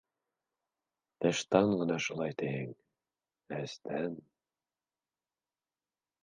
Тыштан ғына шулай тиһең, ә эстән...